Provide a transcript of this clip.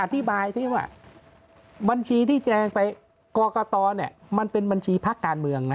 อธิบายซิว่าบัญชีที่แจงไปกอกกะตอเนี่ยมันเป็นบัญชีภักดิ์การเมืองน่ะ